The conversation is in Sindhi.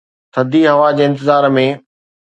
ٿڌي هوا جي انتظار ۾